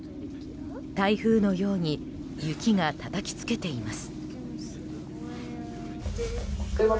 台風のように雪がたたきつけています。